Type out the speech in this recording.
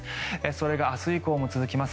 それが明日以降も続きます。